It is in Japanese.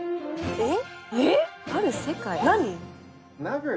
えっ？